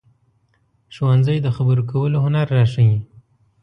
ښوونځی د خبرو کولو هنر راښيي